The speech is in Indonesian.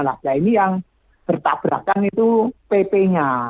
nah ini yang bertabrakan itu pp nya